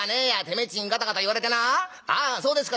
めえっちにガタガタ言われてな『ああそうですか』